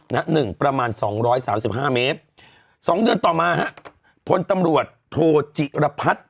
หนึ่งประมาณสองร้อยสามสิบห้าเมตรสองเดือนต่อมาฮะพลตำรวจโทจิรพัฒน์